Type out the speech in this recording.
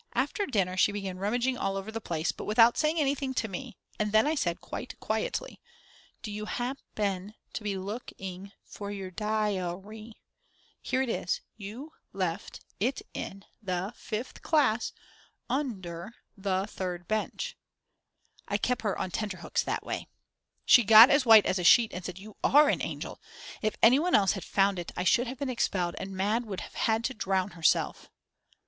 After dinner she began rummaging all over the place, but without saying anything to me, and then I said quite quietly: "Do you hap pen to be look ing for your di ar y? Here it is; you left it in the fifth class un der the third bench." (I kept her on tenter hooks that way.) She got as white as a sheet and said: "You are an angel. If any one else had found it, I should have been expelled and Mad. would have had to drown herself."